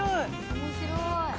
面白い。